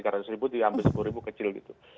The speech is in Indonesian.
tiga ratus ribu diambil sepuluh ribu kecil gitu